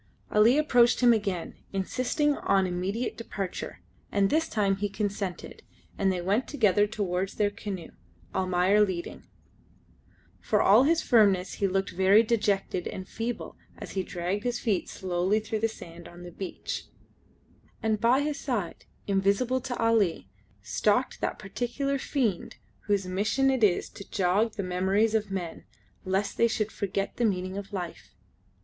Ali approached him again, insisting on immediate departure, and this time he consented, and they went together towards their canoe, Almayer leading. For all his firmness he looked very dejected and feeble as he dragged his feet slowly through the sand on the beach; and by his side invisible to Ali stalked that particular fiend whose mission it is to jog the memories of men, lest they should forget the meaning of life.